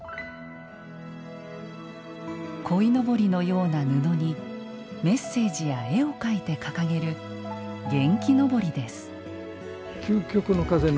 こいのぼりのような布にメッセージや絵を描いて掲げる元気のぼりです。